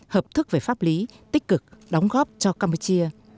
hợp thức về pháp lý tích cực đóng góp cho campuchia